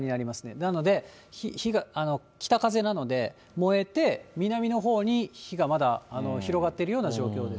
なので、北風なので、燃えて、南のほうに火がまだ広がっているような状況です。